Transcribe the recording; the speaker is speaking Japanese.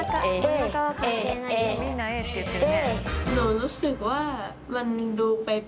みんなＡって言ってるね。